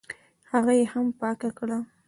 هغه یې هم پاکه کړه.